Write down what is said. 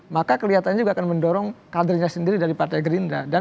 maka kelihatannya juga akan mendorong kadernya sendiri dari partai gerindra